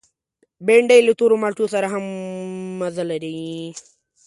بېنډۍ له تور مالټو سره هم مزه لري